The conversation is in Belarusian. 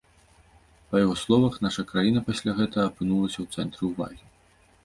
Па яго словах, наша краіна пасля гэтага апынулася ў цэнтры ўвагі.